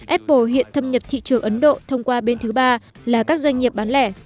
apple hiện thâm nhập thị trường ấn độ thông qua bên thứ ba là các doanh nghiệp bán lẻ